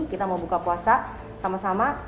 kita mau buka puasa sama sama